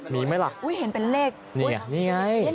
มีไหมล่ะนี่ไงยังเห็นนะโอ้ยเห็นเป็นเลข